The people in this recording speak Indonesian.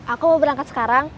aku mau berangkat sekarang